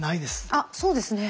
あっそうですね。